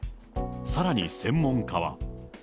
さらに専門家は。